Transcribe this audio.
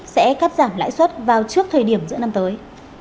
sẽ cắt giảm lãi suất vào trước thời điểm giữa năm tới